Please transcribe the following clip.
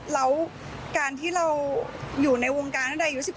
แล้วการที่เราอยู่ในวงการตั้งแต่อายุ๑๓